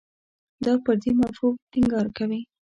دا پر دې مفهوم ټینګار کوي.